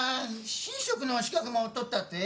神職の資格も取ったって？